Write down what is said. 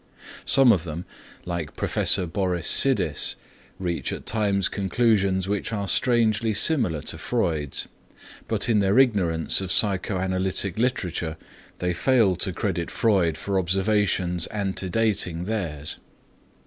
Some of them, like Professor Boris Sidis, reach at times conclusions which are strangely similar to Freud's, but in their ignorance of psychoanalytic literature, they fail to credit Freud for observations antedating theirs.